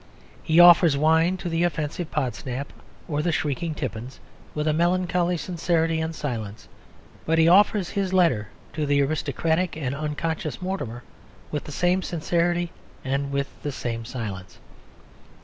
He offers wine to the offensive Podsnap or the shrieking Tippins with a melancholy sincerity and silence; but he offers his letter to the aristocratic and unconscious Mortimer with the same sincerity and with the same silence.